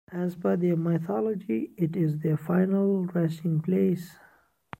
As per their mythology it is their final resting place.